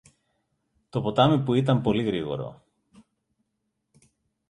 το ποτάμι που ήταν πολύ γρήγορο